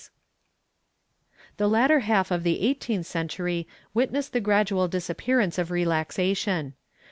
208 THE STAKE [Book VII The latter half of the eighteenth century witnessed the gradual disappearance of relaxation.